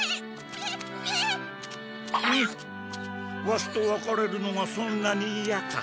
ワシとわかれるのがそんなにいやか。